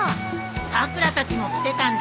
さくらたちも来てたんだ。